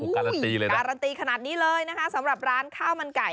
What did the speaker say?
การันตีเลยนะการันตีขนาดนี้เลยนะคะสำหรับร้านข้าวมันไก่